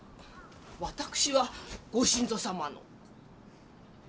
私はご新造様の。